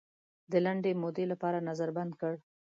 د لنډې مودې لپاره نظر بند کړ.